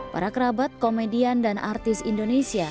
para kerabat komedian dan artis indonesia